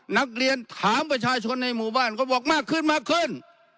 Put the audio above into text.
นักเรียนถามประชาชนในหมู่บ้านก็บอกมากขึ้นมากขึ้น